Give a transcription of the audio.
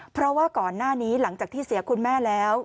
เพราะว่าก่อนหน้านี้หลังจากที่เสียคุณแม่แล้ว